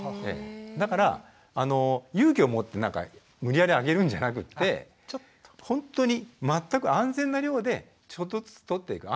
だから勇気を持って無理やりあげるんじゃなくってほんとに全く安全な量でちょっとずつとっていく。